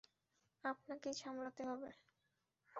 আপনাকেই সামলাতে হবে।